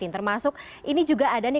termasuk ini juga ada nih